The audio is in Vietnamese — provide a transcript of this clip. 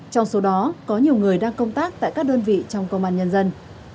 trong số đó có nhiều người đang công tác tại các đơn vị trong công an nhân dân